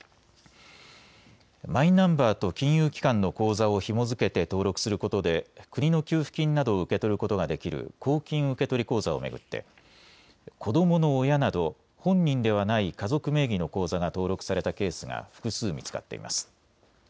マイナンバーと金融機関の口座をひも付けて登録することで国の給付金などを受け取ることができる公金受取口座を巡って子どもの親など本人ではない家族名義の口座が登録されたケースが複数見つかっています。